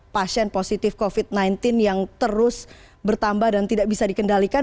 pasien positif covid sembilan belas yang terus bertambah dan tidak bisa dikendalikan